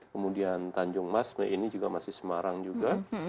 kemudian tanjung mas ini juga masih semarang juga